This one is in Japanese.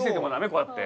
こうやって。